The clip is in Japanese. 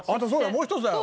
もう一つだよ。